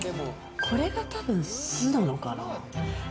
これが、たぶん巣なのかな。